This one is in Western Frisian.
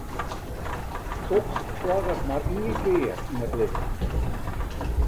Soks slagget mar ien kear yn it libben.